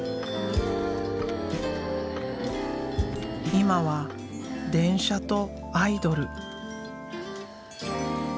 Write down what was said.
今は電車とアイドル。